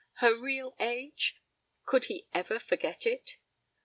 Her real age? Could he ever forget it?